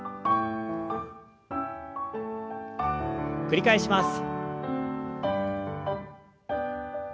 繰り返します。